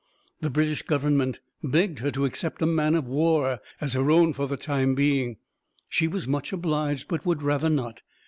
The British Government begged her to accept a man of war as her own for the time being; she was much obliged, but would rather not.